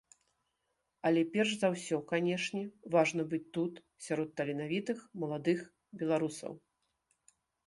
Але перш за ўсё, канечне, важна быць тут, сярод таленавітых маладых беларусаў.